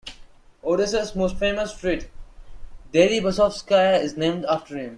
Odessa's most famous street, Deribasovskaya, is named after him.